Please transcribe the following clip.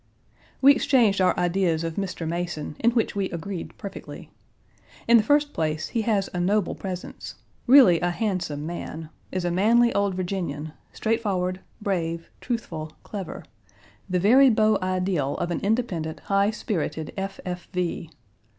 We exchanged our ideas of Mr. Mason, in which we agreed perfectly. In the first place, he has a noble presence really a handsome man; is a manly old Virginian, straightforward, brave, truthful, clever, the very beau ideal of an independent, high spirited F. F. V.